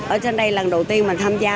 ở trên đây lần đầu tiên mình tham gia